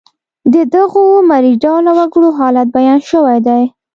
د دغو مري ډوله وګړو حالت بیان شوی دی.